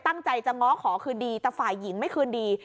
ตั้งใจจะง้อขอคืนดีแต่ฝ่ายหญิงไม่คืนดี